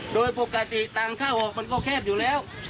โดยปกติต่างเข้าหอกมันก็แคบอยู่แล้ว